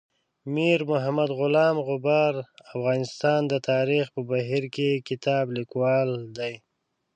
میر محمد غلام غبار افغانستان د تاریخ په بهیر کې کتاب لیکوال دی.